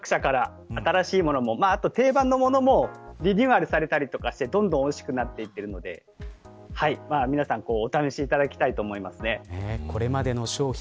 どんどん各社から新しいもの定番のものもリニューアルされたりしてどんどん美味しくなっているので皆さん、お試しいただきたいと思います。